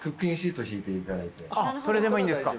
それでもいいんですか。